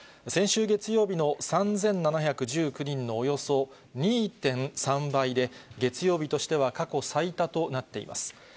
先週月曜日の３７１９人のおよそ２．３倍で、月曜日としては、過去最多となっています。